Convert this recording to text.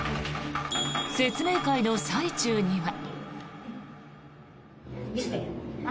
説明会の最中には。